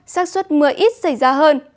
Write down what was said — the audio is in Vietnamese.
sát xuất mưa ít xảy ra hơn